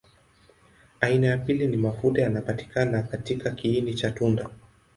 Aina ya pili ni mafuta yanapatikana katika kiini cha tunda.